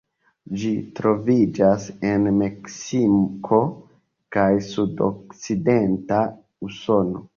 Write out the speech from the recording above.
Ĝi troviĝas en Meksiko kaj sudokcidenta Usono.